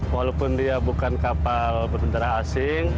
walaupun dia bukan kapal berbendera asing